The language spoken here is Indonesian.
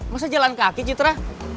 masa jalan kaki citra